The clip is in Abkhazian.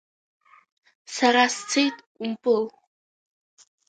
Сара сцеит, Кәымпыл.